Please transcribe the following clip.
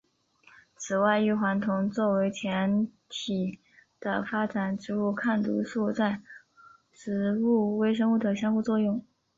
此外异黄酮作为前体的发展植物抗毒素在植物微生物的相互作用。